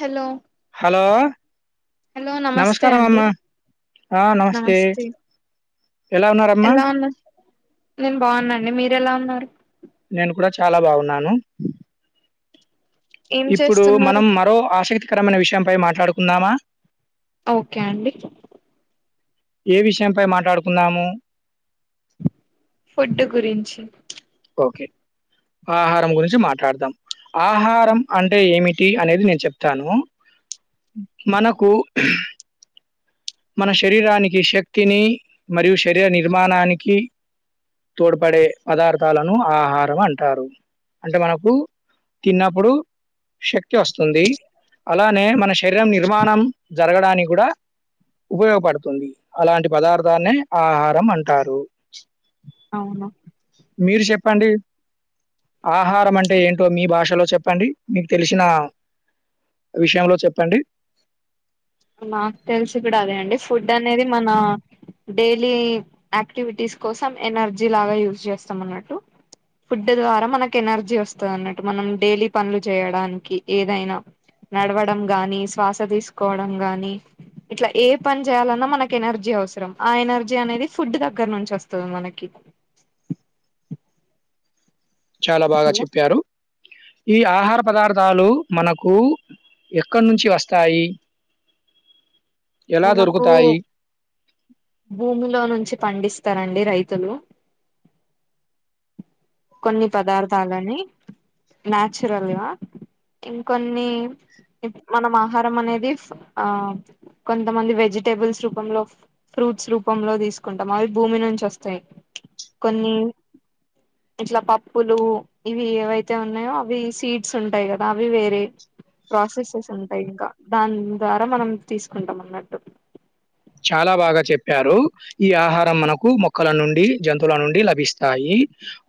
Hello hello hello నమస్తే నమస్కారం అండి అమ్మ ఆ నమస్తే ఎలా ఉన్నారమ్మా? ఎలా ఉన్నా నేను బాగున్నా అండి మీరు ఎలా ఉన్నారు నేను కూడా చాలా బాగున్నాను ఏం ఇప్పుడు చేస్తున్నారు మనం మరో ఆసక్తికరమైన విషయంపై మాట్లాడుకుందామా ఓకే అండి ఏ విషయంపై మాట్లాడుకున్నాము ఫుడ్ గురించి ఓకే ఆహారం గురించి మాట్లాడదాం ఆహారం అంటే ఏమి టి అనేది నేను చెప్తాను ఓకే మనకు మన శరీరానికి శక్తిని మరియు శరీర నిర్మాణానికి తోడ్పడే పదార్థాలను ఆహారం అంటారు అంటే మనకు తిన్నప్పుడు శక్తి వస్తుంది అలానే మన శరీరం నిర్మాణం జరగడానికి కూడా ఉపయోగపడుతుంది అలాంటి పదార్థాన్నే ఆహారం అంటారు అవును మీరు చెప్పండి ఆహారం అంటే ఏంటో మీ భాషలో చెప్పండి మీకు తెలిసిన విషయంలో చెప్పండి నాకు తెలిసి కూడా అదే అండి ఫుడ్ అనేది మన డైలీ యాక్టివిటీస్ కోసం ఎనర్జీ లాగా యూజ్ చేస్తాం అన్నట్టు ఫుడ్ ద్వారా మనకి ఎనర్జీ వస్తది అన్నట్టు మనం డైలీ పనులు చేయడానికి ఏదైనా నడవడం గాని శ్వాస తీసుకోవడం గాని ఇట్లా ఏ పని చేయాలన్నా మనకి ఎనర్జీ అవసరం ఆ ఎనర్జీ అనేది ఫుడ్ దగ్గర నుంచి వస్తది మనకి చాలా బాగా చెప్పారు ఈ ఆహార పదార్థాలు మనకు ఎక్కడి నుంచి వస్తాయి ఎలా మనకు దొరుకుతాయి? భూమిలో నుంచి పండిస్ స్తరండి రైతులు కొన్ని పదార్థాలని న్యాచురల్ గా ఇంకొన్ని మనం ఆహారం అనేది ఆ కొంతమంది వెజిటేబుల్స్ రూపంలో ఫ్రూ ఫూట్స్ రూపంలో తీసుకుంటాం అవి భూమి నుంచి వస్తాయి కొన్ని ఇట్లా పప్పులు ఇవి ఏవైతే ఉన్నాయో అవి సీడ్స్ ఉంటాయి కదా అవి వేరే ప్రాసెసెస్ ఉంటాయి ఇంకా దాని ద్వారా మనం తీసుకుంటాం అన్నట్టు చాలా బాగా చెప్పారు ఈ ఆహారం మనకు మొక్కల నుండి జంతువుల నుండి లభిస్తాయి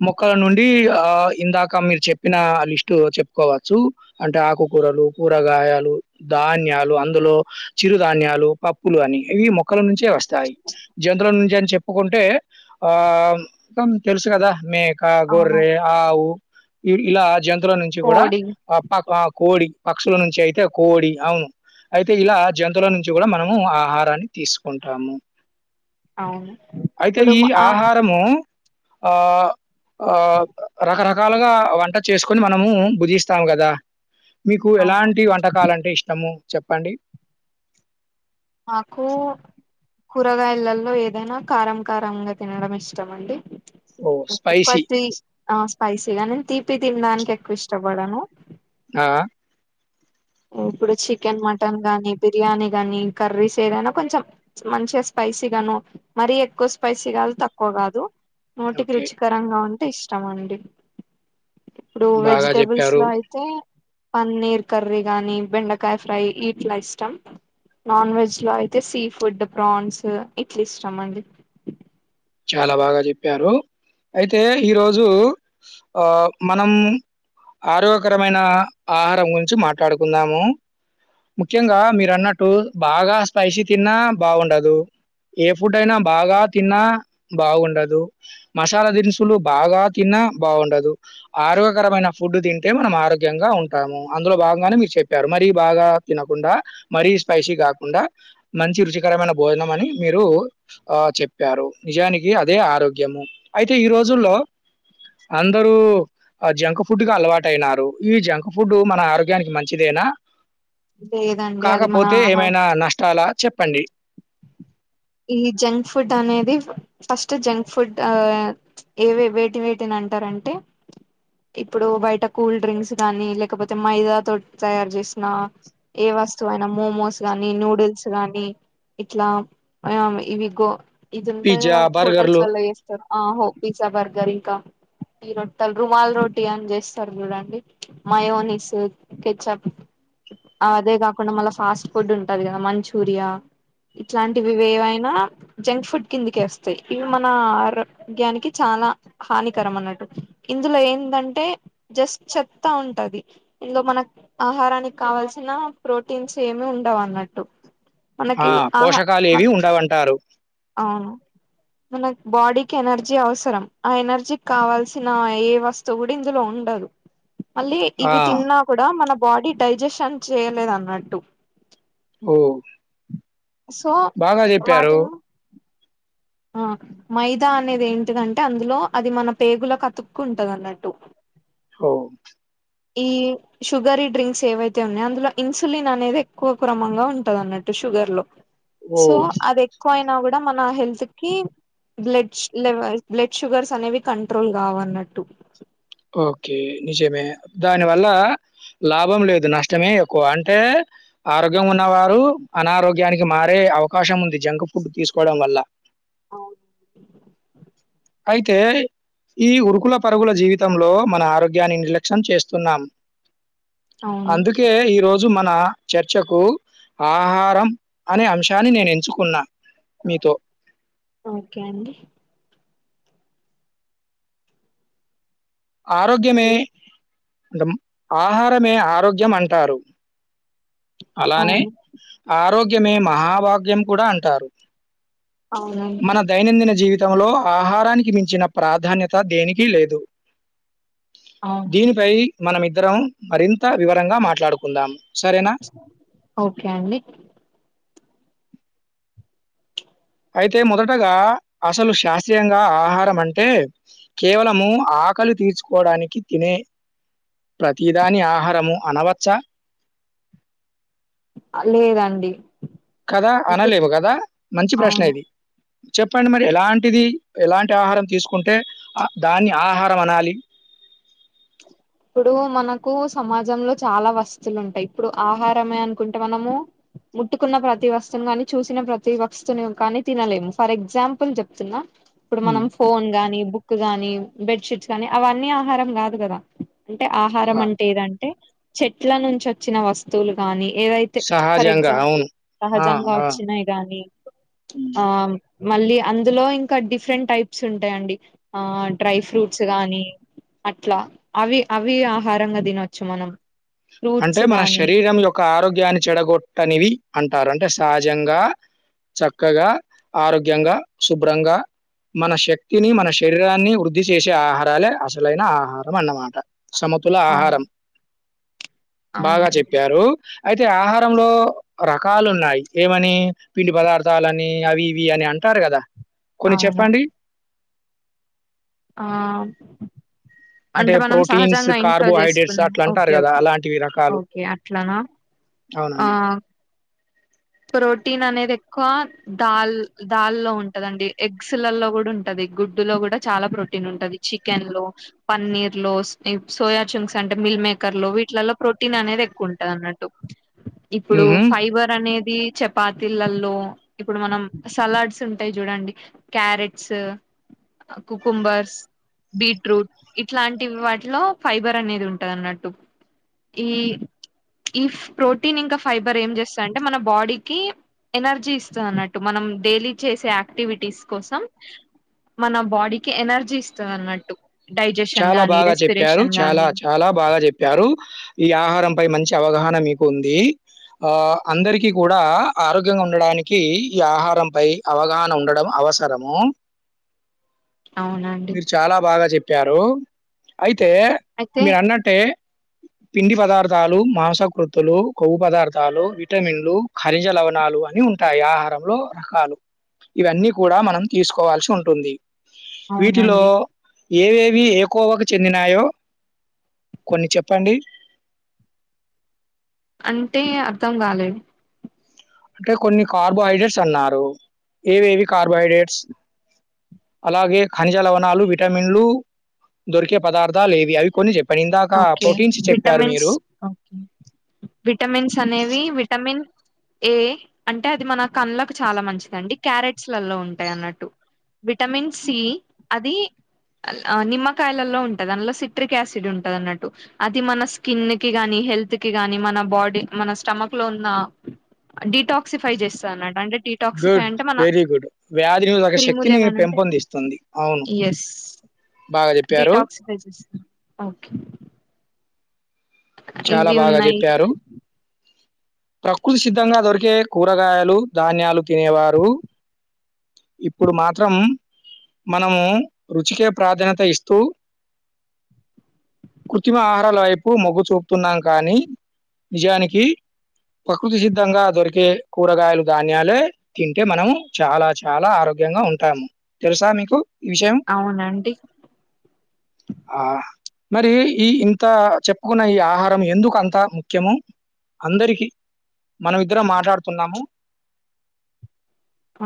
మొక్కల నుండి ఆ ఇందాక మీరు చెప్పిన లిస్ట్ చెప్పుకోవచ్చు అంటే ఆకుకూర కూరలు కూరగాయలు ధాన్యాలు అందులో చిరుధాన్యాలు పప్పులు అని ఇవి మొక్కల నుంచే వస్తాయి జంతుల నుంచి చెప్పుకుంటే ఆ తెలుసు కదా మేక అవును గొర్రె ఆవు ఇ ఇలా జంతువుల నుంచి కూడా కోడి ప కోడి పక్షుల నుంచి అయితే కోడి అవును అయితే ఇలా జంతువుల నుంచి కూడా మనము ఆహార తీసుకుంటాము అవును అయితే ఇప్పుడు ఈ ఆ ఆహారము ఆ ఆ రకరకాలుగా వంట చేసుకొని మనము బుజిస్తాము కదా మీకు అవును ఎలాంటి వంటకాలంటే ఇష్టము చెప్పండి మాకు కూరగాయలలో ఏదైనా కారం కారంగా తినడం ఇష్టమండి ఓహ్! ఎక్కువ స్పైసీ. త్రీస్ స్పైసీగా నేను తీపి తినడానికి ఎక్కువ ఇష్టపడను ఆ ఇప్పుడు చికెన్ మటన్ గాని బిర్యానీ గాని కర్రీస్ ఏదైనా కొంచెం మంచిగా స్పైస్ స్పైసీ గాను మరీ ఎక్కువ స్పైసీ కాదు తక్కువ కాదు నోటికి ఓకే. రుచికరంగా ఉంటే ఇష్టమండి ఇప్పుడు బాగా వెజిటబుల్స్ జెప్పారు. లో అయితే పన్నీర్ కర్రీ గాని బెండకాయ ఫ్రై ఇట్ల ఇష్టం నాన్ వెజ్ లో అయితే సీ ఫుడ్ ప్రాన్స్ ఇట్లిష్టమండి చాలా బాగా చెప్పారు అయితే ఈరోజు ఆ మనం ఆరోగ్యకరమైన ఆహారం గురించి మాట్లాడుకుందాము ముఖ్యంగా మీరు అన్నట్టు బాగా స్పైసీ తిన్నా బాగుండదు ఏ ఫుడ్ అయినా బాగా తిన్నా బాగుండదు మసాలా దినుసులు బాగా తిన్నా బాగుండదు ఆరోగ్యకరమైన ఫుడ్ తింటే మనం ఆరోగ్యంగా ఉంటాము అందులో భాగంగానే మీరు చెప్పారు మరీ బాగా తినకుండా మరి స్పైసీ కాకుండా మంచి రుచికరమైన భోజనం అని మీరు ఆ చెప్పారు నిజానికి అదే ఆరోగ్యము అయితే ఈ రోజుల్లో అందరూ జంక్ ఫుడ్ క్ అలవాటయినారు ఈ జంక్ ఫుడ్ మన ఆరోగ్యానికి మంచిదే న లేదండి అది మన కాకపోతే ఆహా ఏమైన నష్టాల చెప్ ప్పండి ఈ జంక్ ఫుడ్ అనేది ఫస్ట్ జంక్ ఫుడ్ ఆ ఏవ వేటి వేటిన అంటరంటే ఇప్పుడు బయట కూల్ డ్రింక్స్ గాని లేకపోతే మైదా తో తయారు జేసిన ఏ వస్తువయిన మోమోస్ గాని నూడిల్స్ గాని ఇట్లా ఆ ఇవి గో ఇదింటది కదా పిజ్జా, హోటల్స్ బర్గర్‌లు లల్ల చేస్తరు ఆ హో పిజ్జా బర్గర్ ఇంక ఈ రొట్టల్ రుమాల్ రొటీ అని చేస్తరు చూడండి మయోనిస్ కెచప్ అ అదే కాకుండ మళ్ళ ఫాస్ట్ ఫుడ్ ఉంటది కద మంచూరియ ఇట్లాంటివి ఇవి ఏవైనా జంక్ ఫుడ్ కిందికే వస్తయి ఇవి మన ఆరోగ్యానికి చాలా హాని కరమ్ అన్నట్టు ఇందులో ఏందంటే జస్ట్ చెత్తా ఉంటది ఇందులో మనక్ ఆహారానికి కావాల్సిన ప్రోటీన్స్ ఏమి ఉండవు అన్నట్టు మనకి ఆహ ఏవి ఉండవంటారు అవును మన బాడీకి ఎనర్జీ అవసరం ఆ ఎనర్జీ కావాల్సిన ఏ వస్తువు కూడ ఇందులో ఉన్ డదు మళ్ళీ ఆ! ఇవి తిన్నా కూడ మన బాడీ డైజెషన్ చేయలేదు అన్నట్టు ఓ సో వాటిను ఆ మైదా అనేది ఏంటిదంటే అందులో అది మన పేగులకు అతుక్కు ఉంటది అన్నట్టు హో ఈ షుగరీ డ్రింక్స్ ఏవైతే ఉన్నయో అందులో ఇన్సులిన్ అనేది ఎక్కువ క్రమంగా ఉంటది అన్నట్టు షుగర్ లో సో ఓహ్! అది ఎక్కువ అయిన కూడ మన హెల్త్ కి బ్లడ్ లెవల్ బ్లడ్ షుగర్స్ అనేవి కంట్రోల్ కావన్నట్టు ఓకే నిజమే దాని వల్లా లాభం లేదు నష్టమే ఎక్కువ అంటే ఆరోగ్యం ఉన్నవారు అనారోగ్యానికి మారే అవకాశం ముంది జంక్ ఫుడ్ తీసుకోవడం వల్ల అవును అయితే ఈ ఉరుకుల పరగుల జీవిత్ తంలో మన ఆరోగ్యాన్ని నిర్లక్ష్యం చేస్తున్నాం అవును అందుకే ఈ రోజు రోజు మన చర్చకు ఆహారం అనే అంశాన్ని నేను ఎంచుకున్న ఓకే అండి ఆరోగ్యమే ఆహారమే ఆరోగ్యం అంటారు అలానే అవును ఆరోగ్యమే మహాభాగ్యం కూడ అంటారు అవునండి మన దైనందిన జీవితం తంలో ఆహారానికి మించిన ప్రాధాన్యత దేనికి లేదు అవును దీనిపై మనమిద్దరం మరింత వివరంగ మాట్లాడుకుందాం సరేన ఓకే అండి అయితే మొదటగా అసలు శాస్త్రీయంగా ఆహారం అంటె కేవలము ఆ ఆకలు తీర్చుకోవడానికి తినే ప్రతిదాని ఆహారము అనవచ్చ అ లేదండి కదా ఎందుకు అనలేము కద మంచి ప్రశ్న అవును ఇది చెప్పండి మరి ఎలాంటిది ఎలాంటి ఆహారం తీసుకుంటే అ దాన్ని ఆహారం అనాలి? ఇప్పుడు మనకు సమాజంలో చాలా వస్తువులు ఉంటాయి. ఇప్పుడు ఆహారమే అనుకుంటే మనము ముట్టుకున్న ప్రతి వస్తును గాని, చూసిన ప్రతి వస్తువును కానీ తినలేము. ఫర్ ఎగ్జాంపుల్ చెప్తున్నా ఇప్పుడు హ్మ్. మనం ఫోన్ గానీ, బుక్ గాని, బెడ్షీట్స్ కానీ అవన్నీ ఆహారం కాదు కదా అంటే ఆహారం ఆ! అంటే ఏదంటే చెట్ల నుంచి వచ్చిన వస్తువులు కాని ఏదైతే ఫర్ సహజంగా. ఎగ్జాంపుల్ అవును. ఆ! సహజంగా ఆ! వచ్చినాయి గానీ హ్మ్. ఆమ్ మళ్ళీ అందులో ఇంకా డిఫరెంట్ టైప్స్ ఉంటాయండి. ఆ డ్రై ఫ్రూట్స్ గానీ అట్లా అవి అవి ఆహారంగా తినొచ్చు మనం అంటే ఫ్రూట్స్ మన గానీ శరీరం యొక్క ఆరోగ్యాన్ని చెడగొట్టనివి అంటారు అంటే తహాజంగా చక్కగా ఆరోగ్యంగా శుభ్రంగా మన శక్తిని మన శరీరాన్ని వృద్ధి చేసే ఆహారాలే అసలైన ఆహారం అన్నమాట. సమతుల ఆహారం అవును బాగా అవునండి చెప్పారు అయితే ఆహారంలో రకాలు ఉన్నాయి ఏమని పిండి పదార్థాలని అవి ఇవి అని అం టారు కదా కొన్ని చెప్పండి ఆమ్ అంటే మనం ప్రోటీన్స్, సహజంగా ఇంట్లో కార్బోహైడ్రేట్స్ చేసుకునే అట్లా అంటారు ఓకే కదా! ఓకే అలాంటివి రకాలు. ఓకే అట్లానా ఆ అవునండి. ప్రోటీన్ అనేది ఎక్కువ దాల్ దాల్ లో ఉంటదండి ఎగ్స్లలో కూడా ఉంటది. ఇ గుడ్డు లో కూడా చాలా ప్రోటీన్ ఉంటది. చికెన్ లో, పన్నీర్ లో, సోయా చింక్స్ అంటే మిల్ మేకర్ లో వీటిలలో ప్రోటీన్ అనేది ఎక్కువ ఉంటంది అన్నట్టు ఇప్పుడు హుహు. ఫైబర్ అనేది ఇ చపాతీలలో ఇప్పుడు మనం సలాడ్స్ ఉంటాయి చూడండి క్యారెట్స్ కుకుంబర్స్ బీట్రూట్ ఇట్లాంటి వాటిలో ఫైబర్ అనేది ఉంటది అన్నట్టు ఈ ఈ ప్రోటీన్ ఇంకా ఫైబర్ ఏం చేస్తా అంటే మన బాడీకి ఎనర్జీ ఇస్త అన్నట్టు మనం డైలీ చేసే యాక్టివిటీస్ కోసం మన బాడీకి ఎనర్జీ ఇస్తది అన్నట్టు డైజెషన్ చాలా గానీ బాగా చెప్పారు రెస్పిరేషన్ చాలా గానీ చాలా బాగా చెప్పారు. ఈ ఆహారంపై మంచి అవగాహన మీకు ఉంది. ఆ అందరికి కూడా ఆరోగ్యంగా ఉండడానికి ఈ ఆహారంపై అవగాహన ఉండడం అ వసరము అవునండి మీరు చాలా బాగా చెప్పారు అయి తే అయితే మీరు అన్నట్టే పిండి పదార్థాలు, మాంసకృత్తులు, కొవ్వు పదార్థాలు విటమిన్లు, ఖరిజ లవణాలు అని ఉంటాయి ఆహారంలో రకాలు ఇవన్నీ కూడా మనం తీసుకోవాల్సి ఉంటుంది. వీటిలో అవునండి ఏవేవి ఏకోవకు చెందినాయో కొన్ని చెప్పండి అంటే అర్థం కాలేదు అంటే కొన్ని కార్బోహైడ్రేట్స్ అన్నారు ఏవి ఏవి కార్బోహైడ్రేట్స్? అలాగే ఖనిజ లవణాలు, విటమిన్లు దొరికే పదార్థాలు ఏవి అవి కొన్ని చెప్? ఓకే విటమిన్స్ విటమిన్స్ అనేవి విటమిన్ ఏ అంటే అది మన కళ్లకు చాలా మంచిదండి. క్యారెట్స్ లలో ఉంటాయి అన్నట్టు విటమిన్ సి అది నిమ్మకాయలలో ఉంటది. దానిలో సిట్రిక్ యాసిడ్ ఉం టదిన్నట్టు అది మన స్కిన్ కి గానీ, హెల్త్ కి గానీ మన బాడీ మన స్టమక్ లో ఉన్న డిటాక్సిఫై చేస్తా అన్నట అండ్రె డిటాక్సిఫై గుడ్. అంటే మన వెరీ గుడ్. వ్యాధి నిరోధక క్ర్రిములు శక్తిని ఏమైనాంటే పెంపొందిస్తుంది. అవును. ఎస్ బాగా జెప్పారు. డిటాక్స్ బేసిస్ అవును. చాలా ఇవి బాగా ఉన్నాయి చెప్పారు. ప్రకృతి సిద్ధంగా దొరికే కూరగాయలు ధాన్యాలు తినేవారు. ఇప్పుడు మాత్రం. మనము రుచికే ప్రాధాన్యత ఇస్తూ. కృత్రిమ ఆహారాలవైపు మొగ్గు చూపు. చున్నాం కానీ నిజానికి. ప్రకృతి సిద్ధంగా దొరికే కూరగాయలు ధాన్యాలే తింటే మనము చాలా చాలా ఆరోగ్య. ఆరోగ్యంగా ఉంటాము తెలుసా మీకు. ఈ అవునండి. ఆహ్ మరి ఈ ఇంత చెప్పుకున్న ఈ ఆహ్. ఆహారం ఎందుకు అంతా ముఖ్యం అందరికి. మనం ఇద్దరం మాట్లాడుతున్నాము.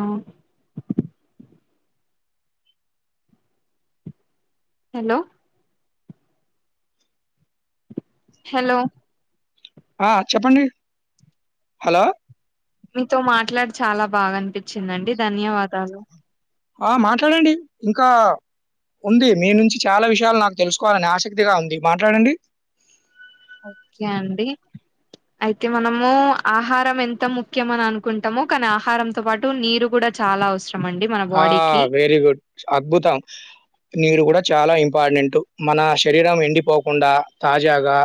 ఆహ్. హలో. హలో. ఆహ్ చెప్పండి హలో. మీతో మాట్లాడి చాలా బాగా అనిపించిందండి ధన్యవాదాలు. ఆహ్ మాట్లాడండి ఇంకా. ఉంది మీ నుంచి చాలా విషయాలు నాకు తెలుసుకోవాలని ఆసక్తిగా ఉంది మాట్లాడండి. ఓకే అండి. అయితే మనము ఆహారం ఎంత ముఖ్యం అని అనుకుంటామో కానీ ఆహారంతో పాటు నీరు కూడా. చాలా అవసరం. అండి మన బాడీకి ఆహ్ వెరీ గుడ్ అద్భుతం నీరు కూడా చాలా ఇం. ఇంపార్టెంట్ మన శరీరం ఎండిపోకుండా తాజాగా.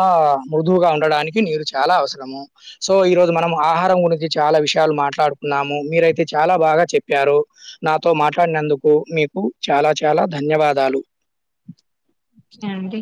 ఆహ్ మృదువుగా ఉండడానికి నీరు చాలా అవసరము సో ఈ రోజు మనం ఆహారం గురించి చాలా విషయం. విషయాలు మాట్లాడుకున్నాము మీరయితే చాలా బాగా చెప్పు. చెప్పారు నాతో మాట్లాడినందుకు మీకు చాలా చాలా ధన్యవాదాలు. ఆహ్. ఆహ్ అండి.